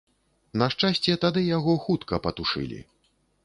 На шчасце, тады яго хутка патушылі.